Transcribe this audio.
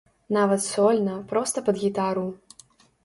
Нават сольна, проста пад гітару.